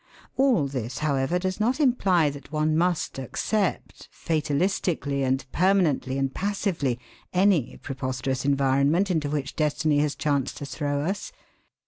All this, however, does not imply that one must accept, fatalistically and permanently and passively, any preposterous environment into which destiny has chanced to throw us.